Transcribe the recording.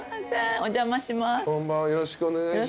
お邪魔します。